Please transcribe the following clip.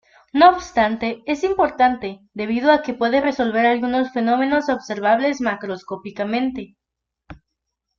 No obstante, es importante debido a que puede resolver algunos fenómenos observables macroscópicamente.